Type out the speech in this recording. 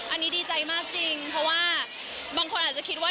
อันนี้ดีใจมากจริงเพราะว่าบางคนอาจจะคิดว่า